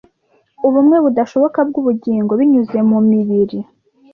ubumwe budashoboka bwubugingo binyuze mumibiri